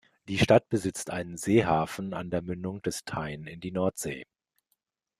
Die Stadt besitzt einen Seehafen an der Mündung des Tyne in die Nordsee.